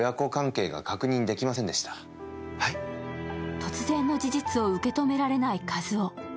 突然の事実を受け止められない一男。